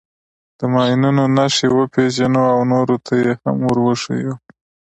د ماینونو نښې وپېژنو او نورو ته یې هم ور وښیو.